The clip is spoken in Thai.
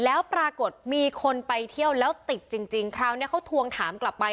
แล้วปรากฏมีคนไปเที่ยวแล้วติดจริงคราวนี้เขาทวงถามกลับไป